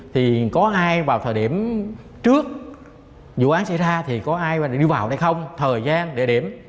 thì có ai vào thời điểm trước vụ án xảy ra thì có ai đi vào đây không thời gian địa điểm